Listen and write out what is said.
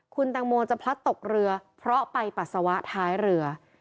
คุณแตงโมจะพลัดตกเรือเพราะไปปัสสาวะท้ายเรือ